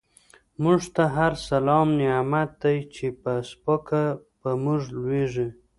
مونږ ته هر سلام لعنت دۍ، چی په سپکه په مونږ لویږی